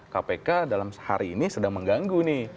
kpk dalam sehari ini sedang mengganggu nih